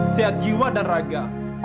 seat jiwa dan raga